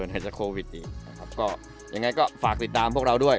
หายจากโควิดอีกนะครับก็ยังไงก็ฝากติดตามพวกเราด้วย